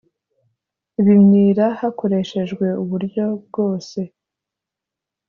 ibimyira hakoreshejwe uburyo bwose